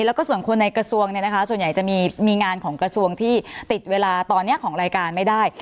แล้วก็ส่วนคนในกระทรวงเนี่ยนะคะส่วนใหญ่จะมีงานของกระทรวงที่ติดเวลาตอนนี้ของรายการไม่ได้